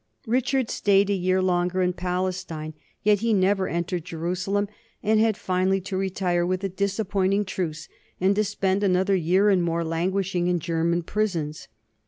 Richard stayed a year longer in Palestine, yet he never entered Jerusalem and had finally to retire with a disap pointing truce and to spend another year, and more, languishing in German prisons.